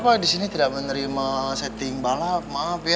tidak saya disini tidak menerima setting balap maaf ya